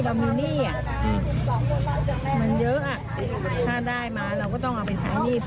เรามีหนี้มันเยอะถ้าได้มาเราก็ต้องเอาไปใช้หนี้